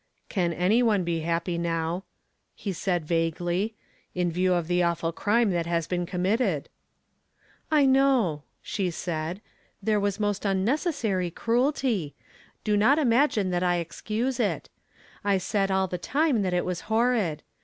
"Can any one be happy now," he said vaguely " in view of the awful crime that has been com mitted ?" "I know," she said, "there was most unneces sary cruelty ; do not imagine that I excuse it. I said all the time that it was horrid.